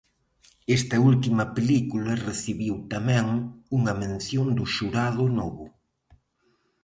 Esta última película recibiu tamén unha mención do Xurado Novo.